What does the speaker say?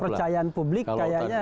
percayaan publik kayaknya